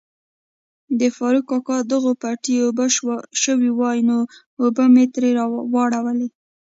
د فاروق کاکا دغو پټی اوبه شوای وو نو اوبه می تري واړولي.